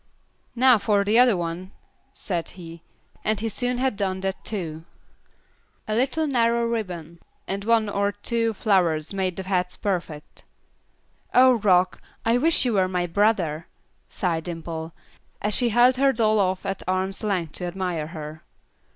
"Now for the other one," said he, and he soon had that done too. A little narrow ribbon and one or two flowers made the hats perfect. "Oh, Rock, I wish you were my brother," sighed Dimple, as she held her doll off at arm's length to admire her.